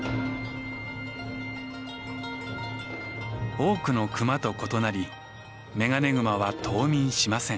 多くのクマと異なりメガネグマは冬眠しません。